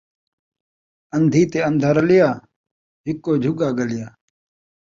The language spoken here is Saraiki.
ان٘دھی تے ان٘دھا رلیا، ہکو جھڳا ڳلیا